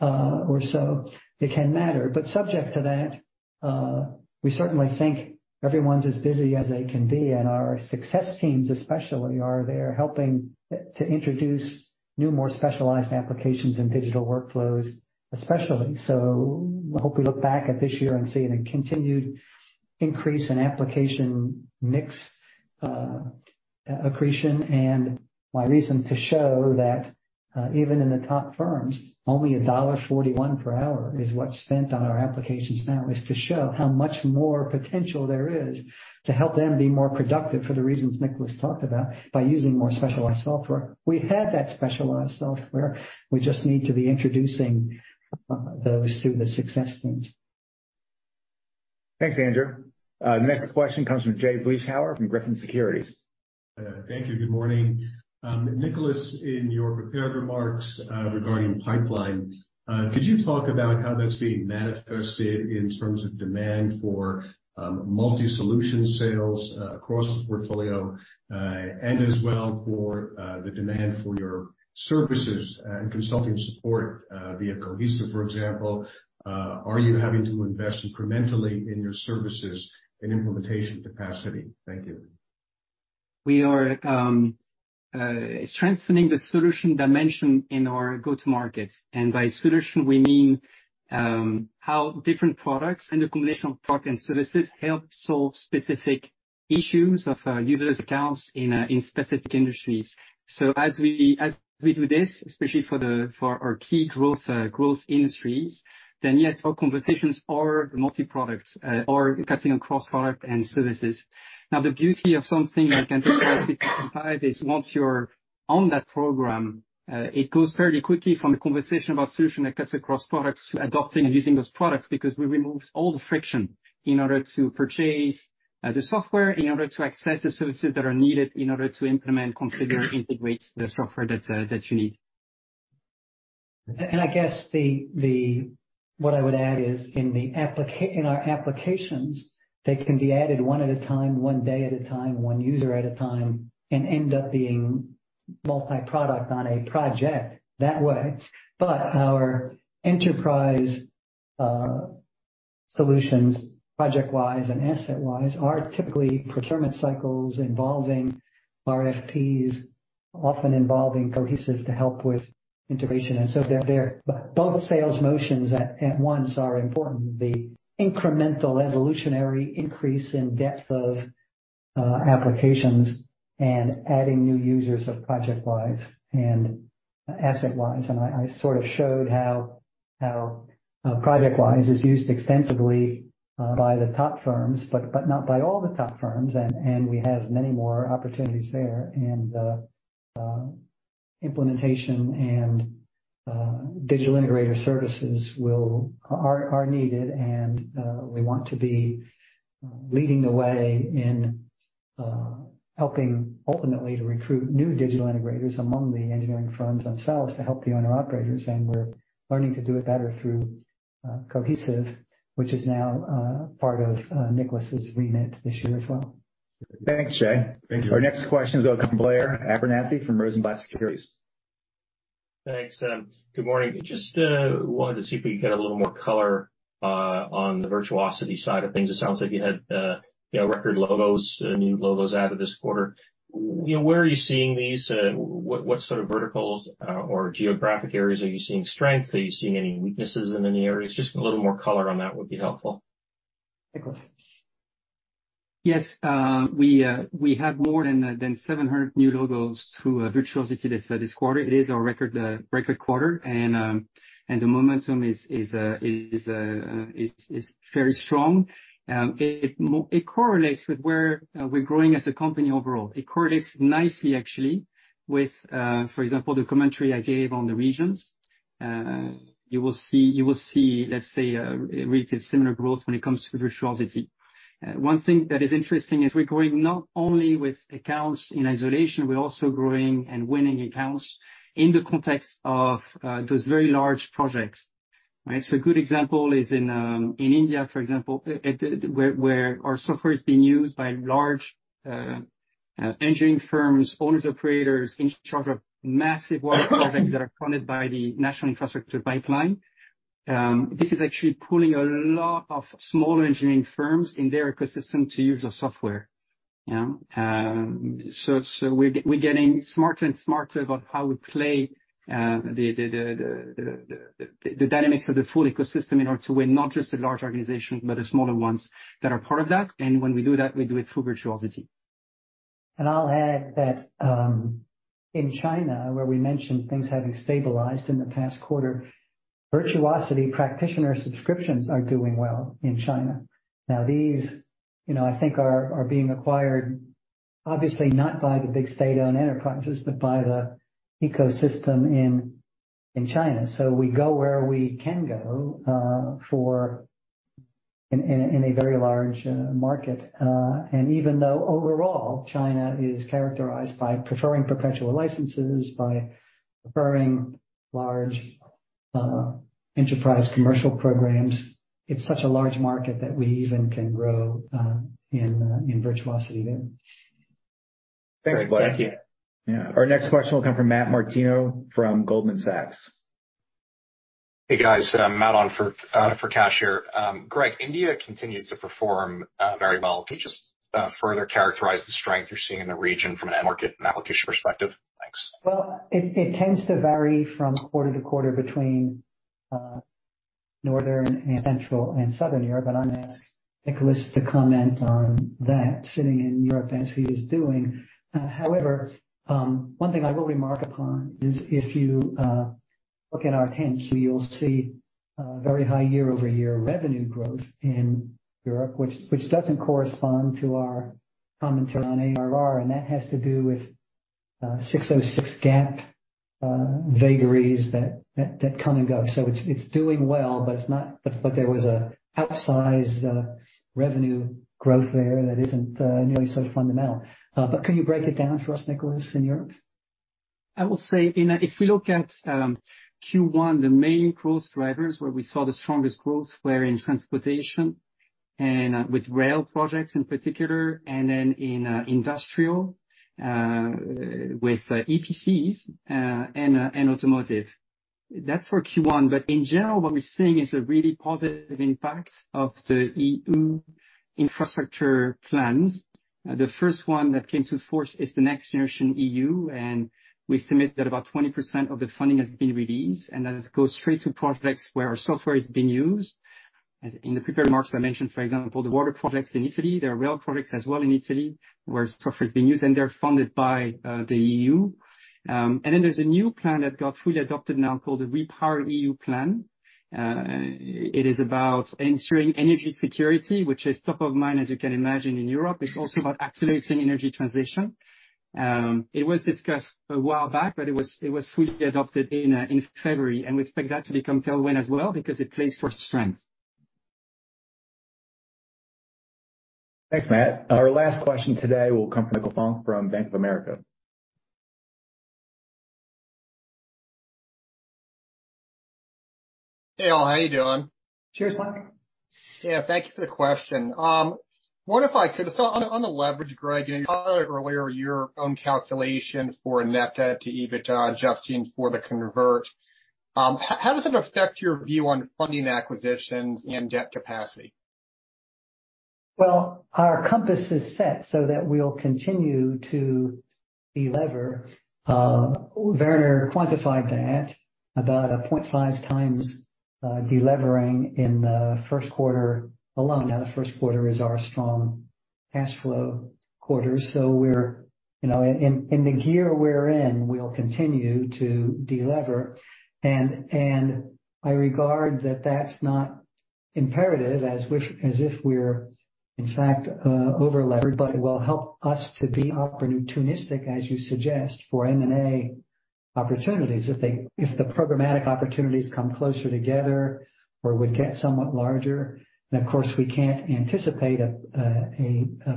or so, it can matter. Subject to that, we certainly think everyone's as busy as they can be, and our success teams especially are there helping to introduce new, more specialized applications and digital workflows, especially. Hope we look back at this year and see a continued increase in application mix accretion. My reason to show that, even in the top firms, only $1.41 per hour is what's spent on our applications now is to show how much more potential there is to help them be more productive for the reasons Nicholas talked about by using more specialized software. We have that specialized software. We just need to be introducing those through the success teams. Thanks, Andrew. Next question comes from Jay Vleeschhouwer from Griffin Securities. Thank you. Good morning. Nicholas, in your prepared remarks, regarding pipeline, could you talk about how that's being manifested in terms of demand for multi-solution sales across the portfolio, and as well for the demand for your services and consulting support, via Cohesive, for example. Are you having to invest incrementally in your services and implementation capacity? Thank you. We are strengthening the solution dimension in our go-to-market. By solution, we mean how different products and the combination of product and services help solve specific issues of users accounts in specific industries. As we, as we do this, especially for our key growth industries, then yes, our conversations are multi-product or cutting across product and services. The beauty of something like Enterprise 365 is once you're on that program, it goes fairly quickly from the conversation about solution that cuts across products to adopting and using those products because we removed all the friction in order to purchase the software, in order to access the services that are needed, in order to implement, configure, integrate the software that you need. I guess what I would add is in our applications, they can be added one at a time, one day at a time, one user at a time, and end up being multi-product on a project that way. Our enterprise solutions, ProjectWise and AssetWise, are typically procurement cycles involving RFPs, often involving Cohesive to help with integration. They're both sales motions at once are important. The incremental evolutionary increase in depth of applications and adding new users of ProjectWise and AssetWise. I sort of showed how ProjectWise is used extensively by the top firms, but not by all the top firms. We have many more opportunities there. Implementation and digital integrator services are needed. We want to be leading the way in, helping ultimately to recruit new digital integrators among the engineering firms themselves to help the owner-operators. We're learning to do it better through, Cohesive, which is now, part of, Nicholas' remit this year as well. Thanks, Jay. Thank you. Our next question is Blair Abernethy from Rosenblatt Securities. Thanks. Good morning. Just wanted to see if we could get a little more color on the Virtuosity side of things. It sounds like you had, you know, record logos, new logos added this quarter. You know, where are you seeing these? What, what sort of verticals, or geographic areas are you seeing strength? Are you seeing any weaknesses in any areas? Just a little more color on that would be helpful. Nicholas. Yes. We have more than 700 new logos through Virtuosity this quarter. It is our record quarter. The momentum is very strong. It correlates with where we're growing as a company overall. It correlates nicely actually with, for example, the commentary I gave on the regions. You will see, let's say, really similar growth when it comes to Virtuosity. One thing that is interesting is we're growing not only with accounts in isolation, we're also growing and winning accounts in the context of those very large projects, right? A good example is in India, for example, where our software is being used by large engineering firms, owners, operators in charge of massive water projects that are funded by the National Infrastructure Pipeline. This is actually pulling a lot of small engineering firms in their ecosystem to use our software, you know? We're getting smarter and smarter about how we play the dynamics of the full ecosystem in order to win not just the large organizations, but the smaller ones that are part of that. When we do that, we do it through Virtuosity. I'll add that in China, where we mentioned things having stabilized in the past quarter, Virtuosity practitioner subscriptions are doing well in China. These, you know, I think are being acquired obviously not by the big state-owned enterprises, but by the ecosystem in China. We go where we can go in a very large market. Even though overall China is characterized by preferring perpetual licenses, by preferring large enterprise commercial programs, it's such a large market that we even can grow in Virtuosity there. Thanks, Greg. Thank you. Yeah. Our next question will come from Matt Martino from Goldman Sachs. Hey, guys, Matt on for for Kash here. Greg, India continues to perform very well. Can you just further characterize the strength you're seeing in the region from an end market and application perspective? Thanks. It tends to vary from quarter to quarter between Northern and Central and Southern Europe. I'm gonna ask Nicholas to comment on that sitting in Europe as he is doing. However, one thing I will remark upon is, if you look at our tents, you'll see very high year-over-year revenue growth in Europe, which doesn't correspond to our commentary on ARR, and that has to do with 606 GAAP vagaries that come and go. It's doing well, but there was a outsized revenue growth there that isn't nearly so fundamental. Can you break it down for us, Nicholas, in Europe? I will say if we look at Q1, the main growth drivers where we saw the strongest growth were in transportation and with rail projects in particular, and then in industrial with EPCs and automotive. That's for Q1. In general, what we're seeing is a really positive impact of the EU infrastructure plans. The first one that came to force is the NextGenerationEU, and we submit that about 20% of the funding has been released, and that goes straight to projects where our software is being used. In the prepared remarks, I mentioned, for example, the water projects in Italy. There are rail projects as well in Italy, where software is being used, and they're funded by the EU. Then there's a new plan that got fully adopted now called the REPowerEU plan. It is about ensuring energy security, which is top of mind, as you can imagine, in Europe. It's also about accelerating energy transition. It was discussed a while back, but it was fully adopted in February, and we expect that to become tailwind as well because it plays for strength. Thanks, Matt. Our last question today will come from Michael Funk from Bank of America. Hey, all. How you doing? Cheers, Michael. Yeah. Thank you for the question. I wonder if I could just on the, on the leverage, Greg, and earlier, your own calculation for net debt to EBITDA adjusting for the convert, how does it affect your view on funding acquisitions and debt capacity? Well, our compass is set so that we'll continue to delever. Werner quantified that about a 0.5 times delevering in the first quarter alone. Now, the first quarter is our strong cash flow quarter. We're, you know, in the gear we're in, we'll continue to delever. I regard that that's not imperative as if we're in fact overlevered, but it will help us to be opportunistic, as you suggest, for M&A opportunities if the programmatic opportunities come closer together or would get somewhat larger. Of course, we can't anticipate a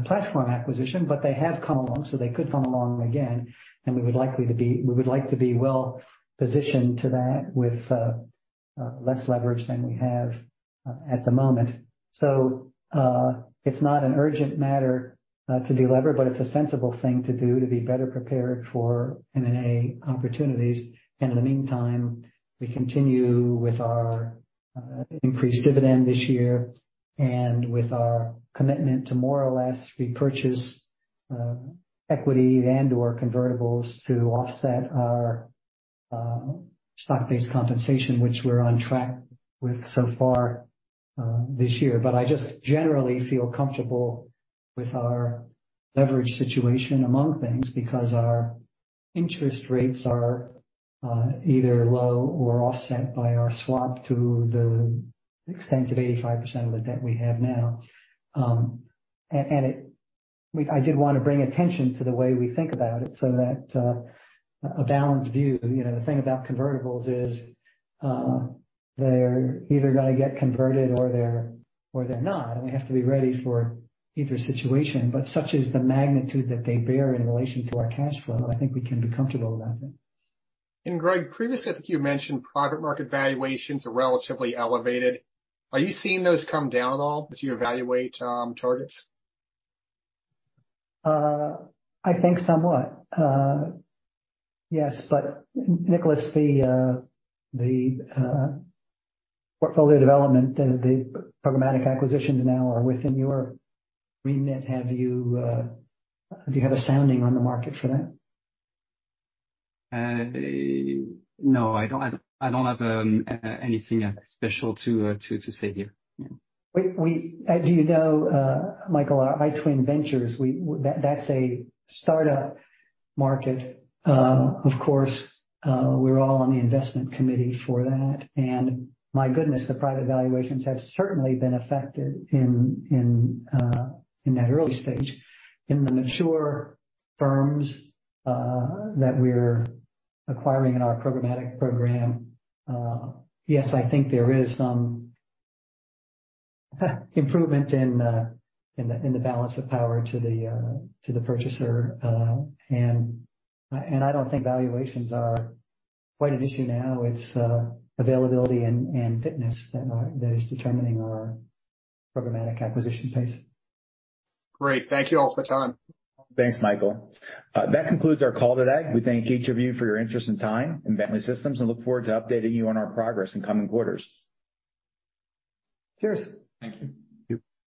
platform acquisition, but they have come along, so they could come along again. We would like to be well-positioned to that with less leverage than we have at the moment. It's not an urgent matter to delever, but it's a sensible thing to do to be better prepared for M&A opportunities. In the meantime, we continue with our increased dividend this year and with our commitment to more or less repurchase equity and/or convertibles to offset our stock-based compensation, which we're on track with so far this year. I just generally feel comfortable with our leverage situation among things because our interest rates are either low or offset by our swap to the extent of 85% of the debt we have now. I did wanna bring attention to the way we think about it so that a balanced view. You know, the thing about convertibles is, they're either gonna get converted or they're not, we have to be ready for either situation. Such is the magnitude that they bear in relation to our cash flow, I think we can be comfortable about it. Greg, previously, I think you mentioned private market valuations are relatively elevated. Are you seeing those come down at all as you evaluate targets? I think somewhat. Yes, Nicholas, the portfolio development, the programmatic acquisitions now are within your remit. Have you, do you have a sounding on the market for that? No, I don't have anything special to say here. Yeah. We as you know, Michael, our iTwin Ventures, that's a startup market. Of course, we're all on the investment committee for that. My goodness, the private valuations have certainly been affected in that early stage. In the mature firms that we're acquiring in our programmatic program, yes, I think there is some improvement in the balance of power to the purchaser. And I don't think valuations are quite an issue now. It's availability and fitness that is determining our programmatic acquisition pace. Great. Thank you all for the time. Thanks, Michael. That concludes our call today. We thank each of you for your interest and time in Bentley Systems and look forward to updating you on our progress in coming quarters. Cheers. Thank you. Thank you.